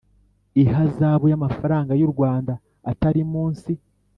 ihazabu y amafaranga y u Rwanda atari munsi